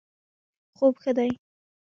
خوب ښه دی